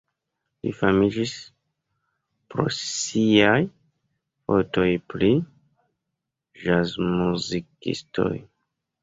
Li famiĝis pro siaj fotoj pri ĵazmuzikistoj.